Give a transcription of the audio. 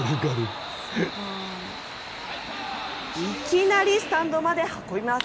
いきなりスタンドまで運びます。